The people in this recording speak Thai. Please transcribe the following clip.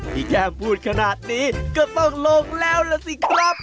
แก้มพูดขนาดนี้ก็ต้องลงแล้วล่ะสิครับ